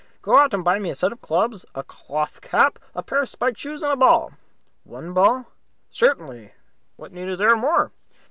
"Go out and buy me a set of clubs, a red jacket, a cloth cap, a pair of spiked shoes, and a ball." "One ball?" "Certainly. What need is there of more?"